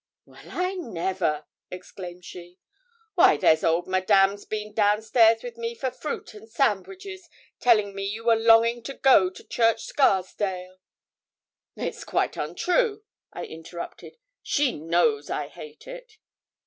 'Well, I never!' exclaimed she. 'Why, there's old Madame's been down stairs with me for fruit and sandwiches, telling me you were longing to go to Church Scarsdale ' 'It's quite untrue,' I interrupted. 'She knows I hate it.'